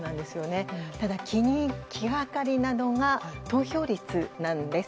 ただ、気がかりなのが投票率なんです。